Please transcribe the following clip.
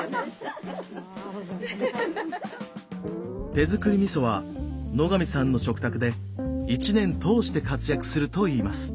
手造りみそは野上さんの食卓で一年通して活躍するといいます。